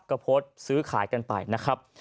ก็โพสต์ซื้อขายกันไปนะครับ